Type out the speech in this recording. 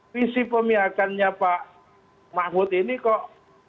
visi pemihakannya pak mahfud ini kok